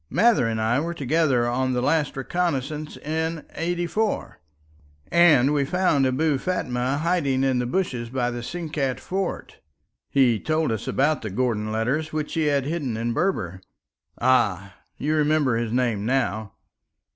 "Mather and I were together on the last reconnaissance in '84, and we found Abou Fatma hiding in the bushes by the Sinkat fort. He told us about the Gordon letters which he had hidden in Berber. Ah! you remember his name now."